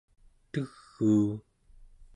teguu!